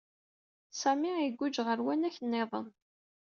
Sami iguǧǧ ɣer uwanak niḍen.